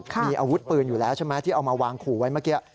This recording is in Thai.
มีอาวุธปืนอยู่แล้วใช่ไหมที่เอามาวางขู่ไว้เมื่อกี้